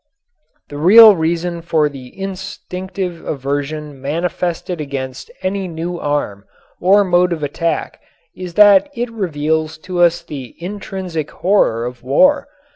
The real reason for the instinctive aversion manifested against any new arm or mode of attack is that it reveals to us the intrinsic horror of war.